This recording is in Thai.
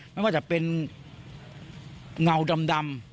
ไม่ว่าจะเป็นเงาดำ